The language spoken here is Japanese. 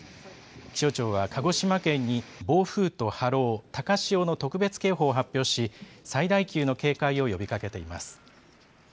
気象庁は鹿児島県に暴風と波浪、高潮の特別警報を発表し、最大級の警戒を呼びかけています。